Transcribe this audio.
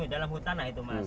di dalam hutan lah itu mas